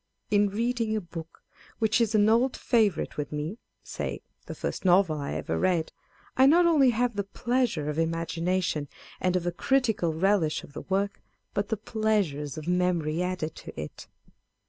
In reading a book which is an old favourite with me (say the first novel I ever read) I not only have the pleasure of imagina tion and of a critical relish of the work, but the pleasures of memory added to it.